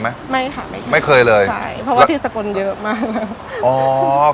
ไม่ค่ะไม่เคยเลยเพราะว่าที่สกนเยอะมากเลยอ๋อ